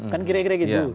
kan kira kira gitu